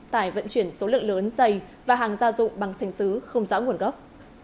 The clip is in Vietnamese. tải vận chuyển số lượng lớn dày và hàng gia dụng bằng sành xứ không rõ nguồn gốc